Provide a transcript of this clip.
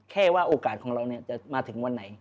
แค่ว่าโอกาสของเราเนี่ยจะมาถึงวันไหน